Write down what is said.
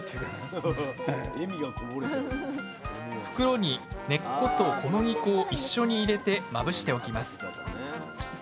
袋に根っこと小麦粉を一緒に入れてまぶしておきます。